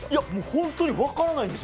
本当に分からないんです